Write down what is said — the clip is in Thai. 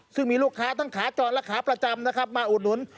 ซึ่งมีลูกค้าทั้งขาจรและขาประจำนะครับมาอุดหนุน